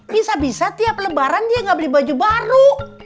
bisa bisa tiap lebaran dia nggak beli baju baru